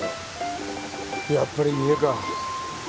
やっぱり見えか。